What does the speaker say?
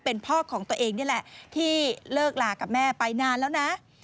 เป็นพ่อของตัวเองนี่แหละที่เลิกลากับแม่ไปนานแล้วนะ